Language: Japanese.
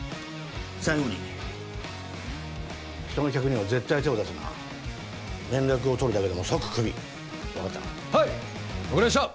最後に人の客には絶対手を出すな連絡を取るだけでも即クビ分かったなはい分かりました！